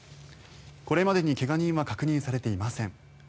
これまでにけが人は確認されていません。